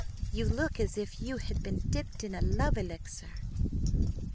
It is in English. "You look as if you had been dipped in a love elixir."